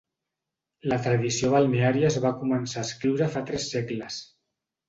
La tradició balneària es va començar a escriure fa tres segles.